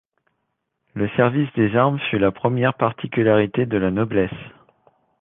Le service des armes fut la première particularité de la noblesse.